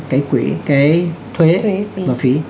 cái thuế và phí